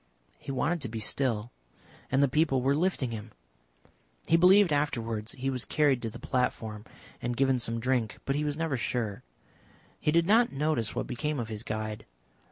He wanted to be still and the people were lifting him. He believed afterwards he was carried to the platform and given some drink, but he was never sure. He did not notice what became of his guide.